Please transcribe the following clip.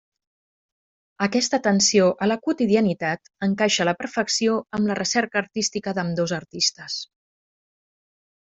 Aquesta atenció a la quotidianitat encaixa a la perfecció amb la recerca artística d’ambdós artistes.